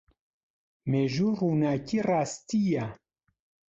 مێژوو ڕووناکیی ڕاستییە.